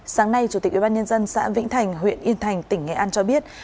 sáng nay chủ tịch ubnd xã vĩnh thành huyện yên thành tỉnh nghệ an cho biết